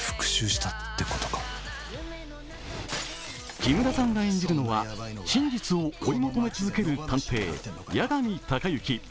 木村さんが演じるのは、真実を追い求め続ける探偵、八神隆之。